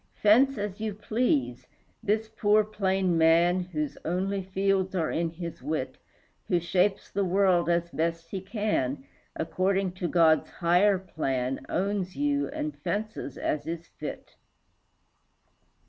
Fence as you please, this plain poor man, Whose only fields are in his wit, Who shapes the world, as best he can, According to God's higher plan, Owns you and fences as is fit.